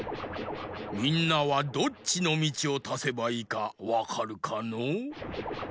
みんなはどっちのみちをたせばいいかわかるかのう？